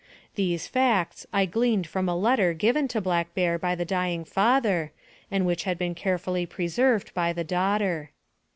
These facts I gleaned from a letter given to Black Bear by the dying father, and which had been carefully preserved by the daughter.